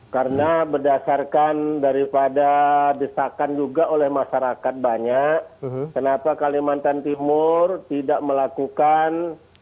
karena berdasarkan daripada desakan juga oleh masyarakat banyak kenapa kalimantan timur tidak melakukan